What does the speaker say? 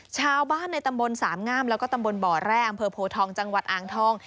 ชาวบ้านในตำบลสามงามแล้วก็ตำบลบ่อแร่อำเภอโพทองจังหวัดอ่างทอง